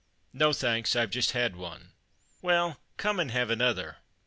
"No thanks, I've just had one." "Well, come and have another."